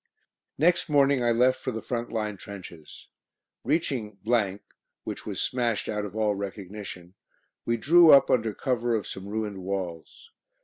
Next morning I left for the front line trenches. Reaching , which was smashed out of all recognition, we drew up under cover of some ruined walls.